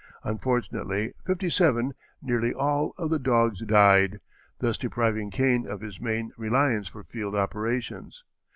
Unfortunately fifty seven, nearly all, of the dogs died, thus depriving Kane of his main reliance for field operations.